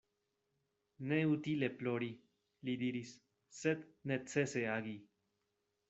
Neutile plori, li diris, sed necese agi.